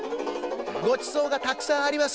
ごちそうがたくさんあります。